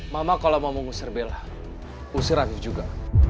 mama kalau mau mengusir bella usir afif juga